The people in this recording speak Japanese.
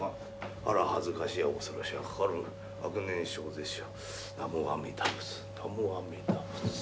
「あら恥ずかしや恐ろしやかかる悪念生ぜしや南無阿弥陀仏南無阿弥陀仏」。